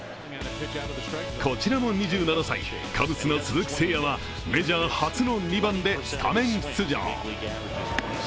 こちらも２７歳、カブスの鈴木誠也はメジャー初の２番でスタメン出場。